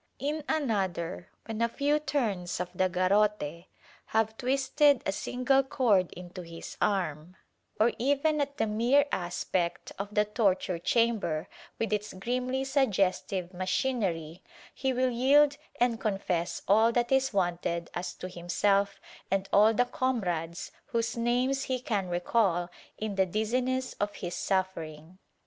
In another, when a few turns of the garrote have twisted a single cord into his arm — or even at the mere aspect of the torture chamber, with its grimly suggestive machinery — he will yield and confess all that is wanted as to himself and all the comrades whose names he can recall in the dizziness of his suffering.